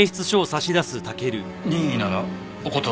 任意ならお断りします。